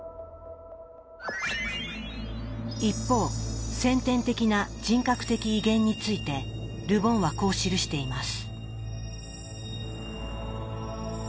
一方先天的な人格的威厳についてル・ボンはこう記しています。